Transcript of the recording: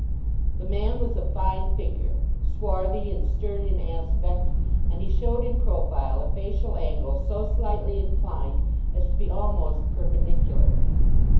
The man was of fine figure, swarthy, and stern in aspect; and he showed in profile a facial angle so slightly inclined as to be almost perpendicular.